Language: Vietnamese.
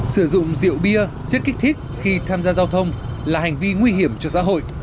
sử dụng rượu bia chất kích thích khi tham gia giao thông là hành vi nguy hiểm cho xã hội